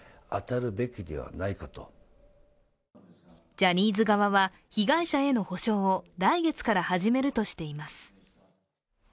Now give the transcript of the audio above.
ジャニーズ側は被害者への補償を来月から始めるとしています。